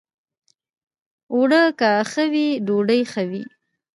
اوړه که ښه وي، ډوډۍ ښه وي